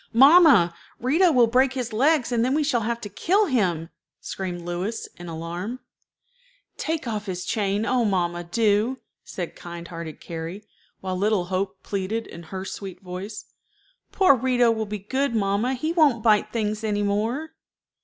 "Mamma, Rito will break his legs, and then we shall have to kill him," screamed Louis, in alarm. "Take off his chain, oh, mamma, do," said kind hearted Carrie; while little Hope pleaded in her sweet voice: "Poor Rito will be good, mamma. He won't bite things any more."